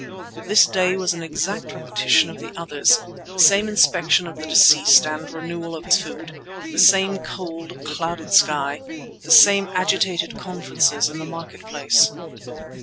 This day was an exact repetition of the others. The same inspection of the deceased and renewal of his food; the same cold, clouded sky, the same agitated conferences in the market place.